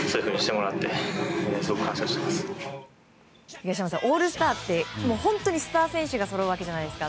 東山さんオールスターって本当にスター選手がそろうわけじゃないですか。